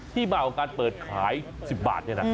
ที่มากกว่าการเปิดขาย๑๐บาท